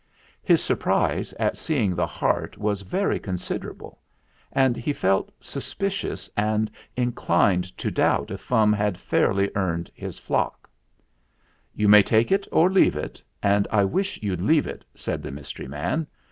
His surprise at seeing the Heart was very considerable, and he felt suspicious and in clined to doubt if Fum had fairly earned his flock. 34 THE FLINT HEART "You may take it or leave it, and I wish you'd leave it," said the mystery man.